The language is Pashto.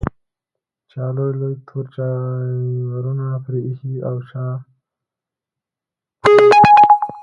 چا لوی لوی تور چایبرونه پرې ایښي او چای پلوري.